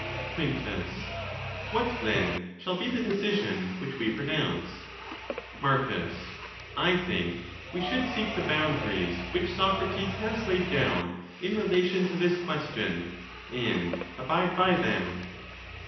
Vuintus. — What, then, shall be the decision which we pronounce ? Marcus.—I think we should seek the boundaries which Socrates has laid down in relation to this question, and abide by them.